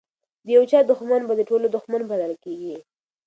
د یو چا دښمن به د ټولو دښمن بلل کیږي.